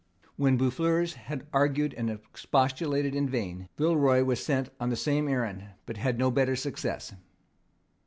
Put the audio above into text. When Boufflers had argued and expostulated in vain, Villeroy was sent on the same errand, but had no better success.